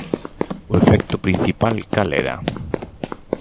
O efecto principal cal era?